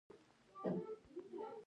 دا مهال د سلسلې زنګ راغی.